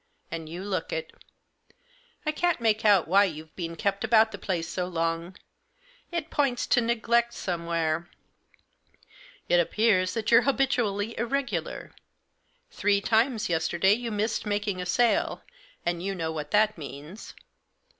And you look it. I can't make out why you've been kept about the place so long ; it points to neglect some where. It appears that you're habitually irregular; three times yesterday you missed making a sale, and Digitized by AN INTERVIEW WITH MR. SLAUGHTER. S3 you know what that means.